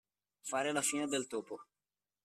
Fare la fine del topo.